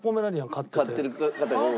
飼ってる方が多い。